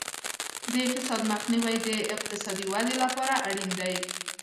د فساد مخنیوی د اقتصادي ودې لپاره اړین دی.